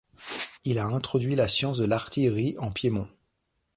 Il a introduit la science de l’artillerie en Piémont.